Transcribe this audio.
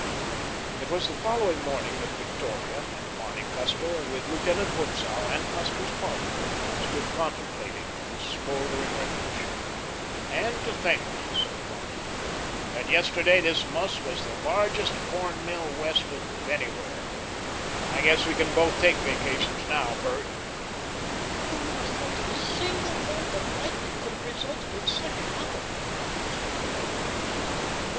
It was the following morning that Victoria and Barney Custer, with Lieutenant Butzow and Custer's partner, stood contemplating the smoldering wreckage. "And to think," said Barney, "that yesterday this muss was the largest corn mill west of anywhere. I guess we can both take vacations now, Bert." "Who would have thought that a single bolt of lightning could have resulted in such havoc?" mused Victoria.